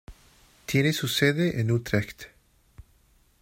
Tiene su sede en Utrecht.